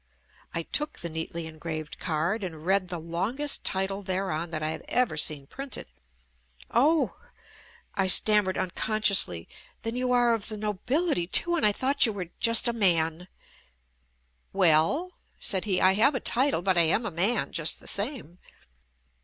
I took the neatly engraved card and read the longest title thereon that I had ever seen printed. "Oh," I stammered unconsciously, "then you JUST ME are of the nobility, too, and I thought you were 'just a man. 5 " "Well," said he, "I have a title but I am a man just the same."